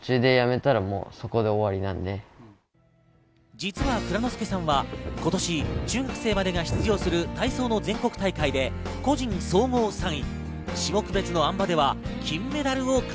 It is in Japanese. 実は藏之輔さんは今年、中学生までが出場する体操の全国大会で個人総合３位。